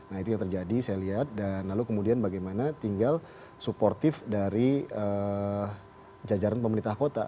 nah itu yang terjadi saya lihat dan lalu kemudian bagaimana tinggal supportif dari jajaran pemerintah kota